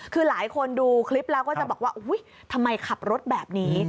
คือหลายคนดูคลิปแล้วก็จะบอกว่าอุ๊ยทำไมขับรถแบบนี้